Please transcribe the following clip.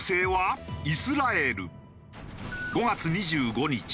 ５月２５日